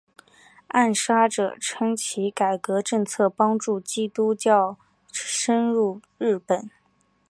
暗杀者称其改革政策帮助基督教渗入日本。